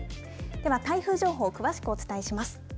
では台風情報詳しくお伝えします。